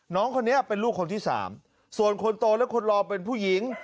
น้องคนนี้เป็นลูกคนที่สามส่วนคนโตและคนรอเป็นผู้หญิง